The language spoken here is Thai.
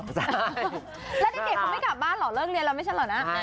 แล้วเด็กเขาไม่กลับบ้านเหรอเลิกเรียนแล้วไม่ใช่เหรอนะ